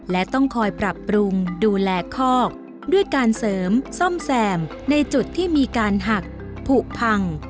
และต้องคอยปรับปรุงดูแลคอกด้วยการเสริมซ่อมแซมในจุดที่มีการหักผูกพัง